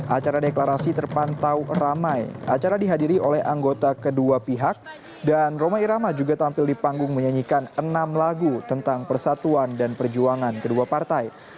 acara deklarasi terpantau ramai acara dihadiri oleh anggota kedua pihak dan roma irama juga tampil di panggung menyanyikan enam lagu tentang persatuan dan perjuangan kedua partai